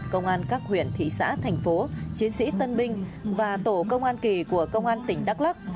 công an các huyện thị xã thành phố chiến sĩ tân binh và tổ công an kỳ của công an tỉnh đắk lắc